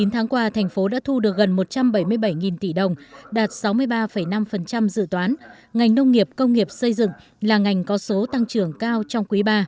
chín tháng qua thành phố đã thu được gần một trăm bảy mươi bảy tỷ đồng đạt sáu mươi ba năm dự toán ngành nông nghiệp công nghiệp xây dựng là ngành có số tăng trưởng cao trong quý ba